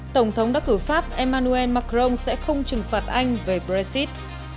tổng thống đắc cử pháp emmanuel macron sẽ không trừng phạt anh về brexit